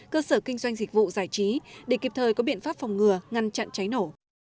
cơ sở kinh doanh dịch vụ giải trí để kịp thời có biện pháp phòng ngừa ngăn chặn cháy nổ